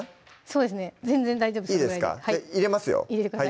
そうですね全然大丈夫いいですか？